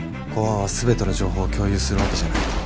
公安はすべての情報を共有するわけじゃない。